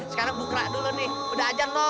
sekarang bukrak dulu nih udah ajar lo